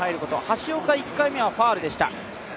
橋岡１回目はファウルでした。